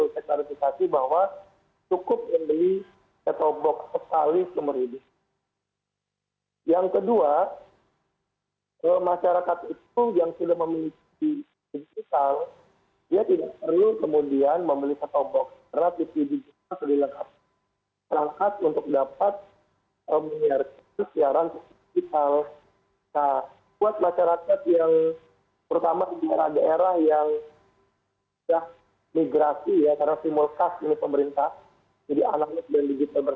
setahun lebih lah di november dua ribu dua puluh dua